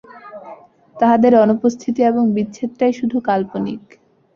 তাঁহাদের অনুপস্থিতি এবং বিচ্ছেদটাই শুধু কাল্পনিক।